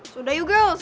sudah yuk girls